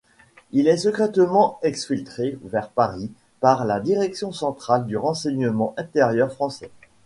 Il est secrètement exfiltré vers Paris par la direction centrale du Renseignement intérieur français.